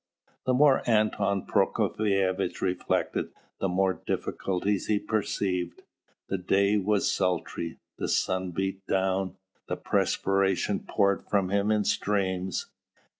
The more Anton Prokofievitch reflected, the more difficulties he perceived. The day was sultry, the sun beat down, the perspiration poured from him in streams.